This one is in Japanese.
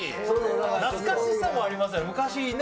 懐かしさもありますね。